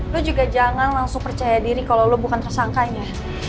lu juga jangan langsung percaya diri kalau lo bukan tersangkanya